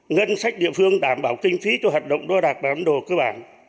ngân sách địa phương đảm bảo kinh phí cho hoạt động đo đạc và bản đồ cơ bản